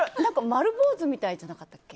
丸坊主みたいじゃなかったっけ？